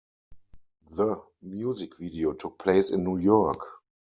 The music video took place in New York.